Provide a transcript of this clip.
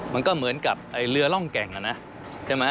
มันก็เหมือนกับเรือร่องแก่งอะนะใช่ไหม